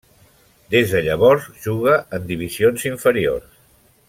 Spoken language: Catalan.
Des de llavors, juga en divisions inferiors.